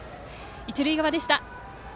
一塁側でした。